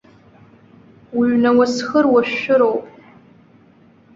Уҩны ауасхыр уашәшәыроуп!